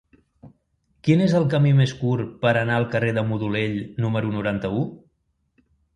Quin és el camí més curt per anar al carrer de Modolell número noranta-u?